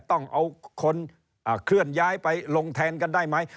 ต้องเอาคนเคลื่อนย้ายไปลงแทนกันได้ไหม